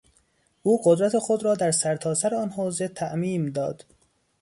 او قدرت خود را در سرتاسر آن حوزه تعمیم داد.